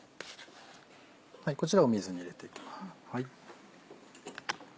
こちら水に入れていきます。